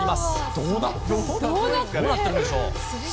どうなってるんでしょう。